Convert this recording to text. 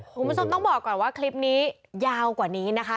คุณผู้ชมต้องบอกก่อนว่าคลิปนี้ยาวกว่านี้นะคะ